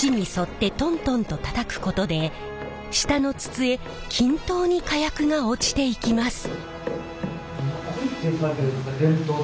縁に沿ってトントンとたたくことで下の筒へ均等に火薬が落ちていきます。